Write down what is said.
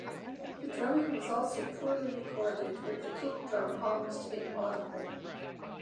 The drumming was also poorly recorded, with the kick drum almost inaudible.